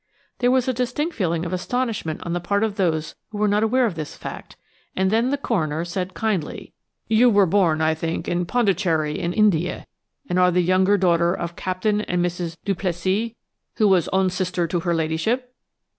There was a distinct feeling of astonishment on the part of those who were not aware of this fact, and then the coroner said kindly: "You were born, I think, in Pondicherry, in India, and are the younger daughter of Captain and Mrs. Duplessis, who was own sister to her ladyship?"